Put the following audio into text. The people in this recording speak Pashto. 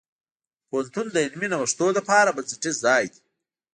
پوهنتون د علمي نوښتونو لپاره بنسټیز ځای دی.